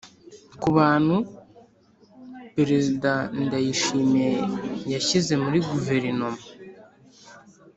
ku bantu perezida ndayishimiye yashyize muri guverinoma.